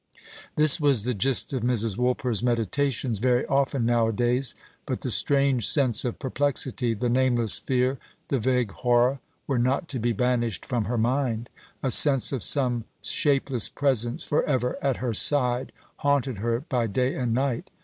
This was the gist of Mrs. Woolper's meditations very often nowadays. But the strange sense of perplexity, the nameless fear, the vague horror, were not to be banished from her mind. A sense of some shapeless presence for ever at her side haunted her by day and night.